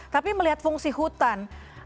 tapi melihat fungsi hutan